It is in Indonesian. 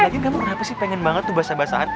lagi kamu kenapa sih pengen banget tuh basah basahan